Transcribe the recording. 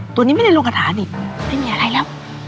ตัวนี้ไม่ได้ลงกระถาดิตไม่มีอะไรแล้ว